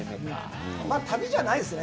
旅じゃないですね。